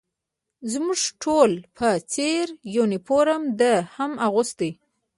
زموږ ټولو په څېر یونیفورم ده هم اغوسته.